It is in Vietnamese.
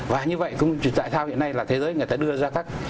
và như vậy tại sao hiện nay là thế giới người ta đưa ra các